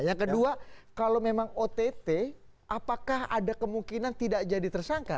yang kedua kalau memang ott apakah ada kemungkinan tidak jadi tersangka